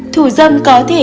thủ dâm có thể